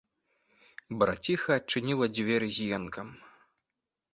Браціха адчыніла дзверы з енкам.